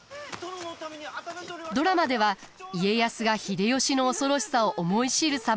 ドラマでは家康が秀吉の恐ろしさを思い知る様が描かれます。